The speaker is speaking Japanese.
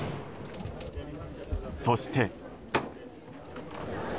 そして。